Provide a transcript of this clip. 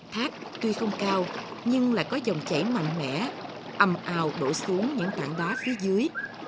thác tuy không cao nhưng lại có dòng chảy mạnh mẽ ầm ào đổ xuống những tảng đá phía dưới